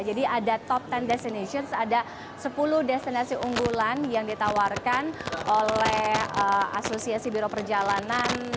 jadi ada top sepuluh destinations ada sepuluh destinasi unggulan yang ditawarkan oleh asosiasi biro perjalanan